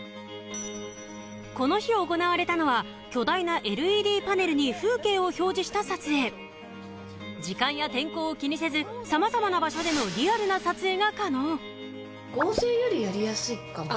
この日行われたのは巨大なＬＥＤパネルに風景を表示した撮影時間や天候を気にせずさまざまな場所でのリアルな撮影が可能合成よりやりやすいかもね